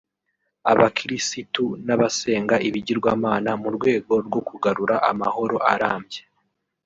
abakirisitu n’abasenga ibigirwamana mu rwego rwo kugarura amahoro arambye